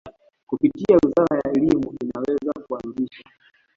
kupitia wizara ya Elimu inaweza kuanzisha